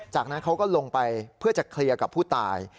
จากนั้นเขาก็ลงไปเพื่อจะเคลียร์กับผู้ตาย